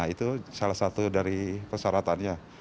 itu salah satu dari persyaratannya